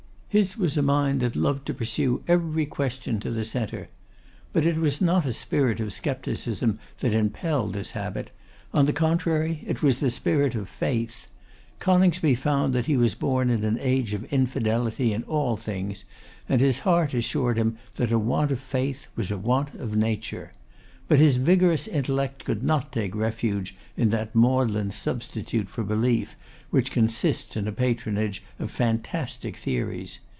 His was a mind that loved to pursue every question to the centre. But it was not a spirit of scepticism that impelled this habit; on the contrary, it was the spirit of faith. Coningsby found that he was born in an age of infidelity in all things, and his heart assured him that a want of faith was a want of nature. But his vigorous intellect could not take refuge in that maudlin substitute for belief which consists in a patronage of fantastic theories.